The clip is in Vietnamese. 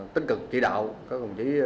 tích cực chỉ đạo các công chí